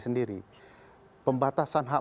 sendiri pembatasan hak